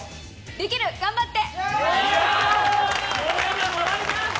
できる、頑張って！